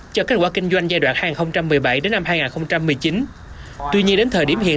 cho kết quả kinh doanh giai đoạn hai nghìn một mươi bảy đến năm hai nghìn một mươi chín